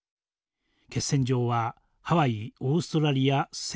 決戦場はハワイオーストラリアセイロン島。